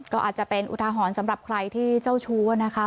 ก็อาจจะเป็นอุทาหรณ์สำหรับใครที่เจ้าชู้นะคะ